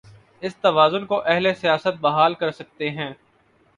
اس توازن کو اہل سیاست بحال کر سکتے ہیں۔